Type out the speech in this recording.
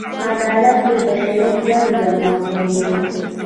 عدالت د بشري ګډ ژوند محور دی.